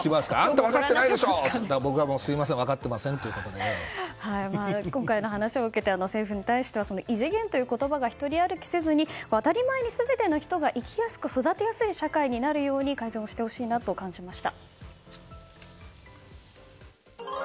だから僕は今回の話で、政府に対して異次元という言葉が一人歩きせずに当たり前に全ての人が生きやすく育てやすい社会に改善をしてほしいなと感じました。